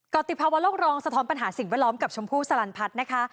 ติภาวะโลกรองสะท้อนปัญหาสิ่งแวดล้อมกับชมพู่สลันพัฒน์นะคะ